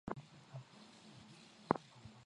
kwa ajili ya sehemu inayofuata ya mto uliopanuka